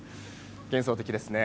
幻想的ですね。